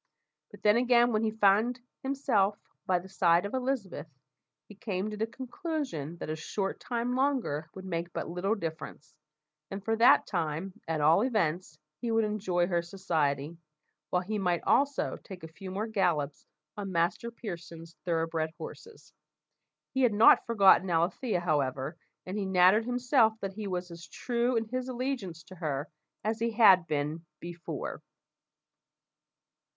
But then, again, when he found himself by the side of Elizabeth, he came to the conclusion that a short time longer would make but little difference, and for that time, at all events, he would enjoy her society, while he might also take a few more gallops on Master Pearson's thoroughbred horses. He had not forgotten Alethea, however, and he nattered himself that he was as true in his allegiance to her as he had been before.